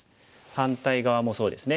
反対側もそうですね。